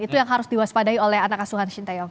itu yang harus diwaspadai oleh anak asuhan shin taeyong